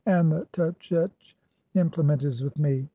; and the tchetch implement is with me.